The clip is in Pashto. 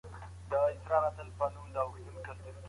چېري د اقلیمي بدلون قربانیان ژوند کوي؟